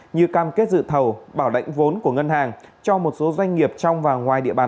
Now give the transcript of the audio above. như cam kết dự thầu bảo lãnh vốn của ngân hàng cho một số doanh nghiệp trong và ngoài địa bàn